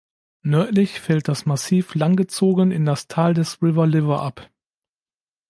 Nördlich fällt das Massiv langgezogen in das Tal des "River Liver" ab.